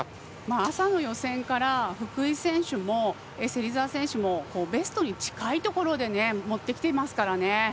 朝の予選から福井選手も芹澤選手もベストに近いところに持ってきていますからね。